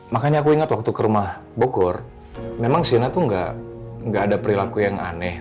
makanya aku ingat waktu ke rumah bogor memang siona tuh gak ada perilaku yang aneh